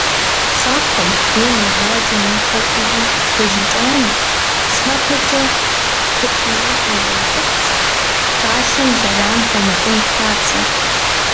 Щӏакхъуэм е мэжаджэм и фэр ӏуву тежьыкӏамэ, сапэкӏэ тептхъунщӏыкӏмэ нэхъыфӏщ, шхалъэм зэран хуэмыхъун папщӏэ.